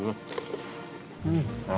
keren gak bu